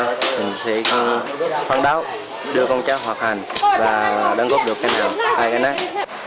vì không được hoạt hành và bây giờ mình sẽ phán đáo đưa con cháu hoạt hành và đóng góp được cây nào hai cây nát